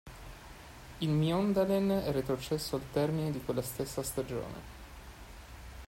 Il Mjøndalen è retrocesso al termine di quella stessa stagione.